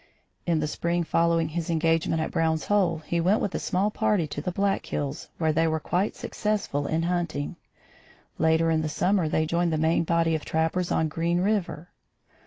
In the spring following his engagement at Brown's Hole, he went with a small party to the Black Hills, where they were quite successful in hunting. Later in the summer they joined the main body of trappers on Green River.